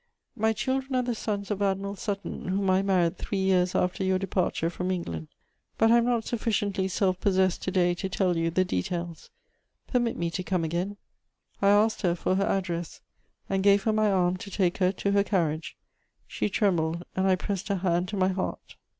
My children are the sons of Admiral Sutton, whom I married three years after your departure from England. But I am not sufficiently self possessed to day to tell you the details. Permit me to come again." I asked her for her address, and gave her my arm to take her to her carriage. She trembled, and I pressed her hand to my heart.